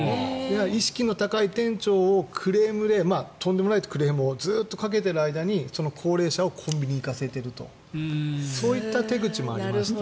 意識の高い店長をクレームでとんでもないクレームをずっとかけている間にその高齢者をコンビニに行かせるという手口もありまして。